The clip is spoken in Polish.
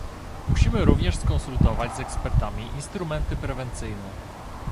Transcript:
Musimy również skonsultować z ekspertami instrumenty prewencyjne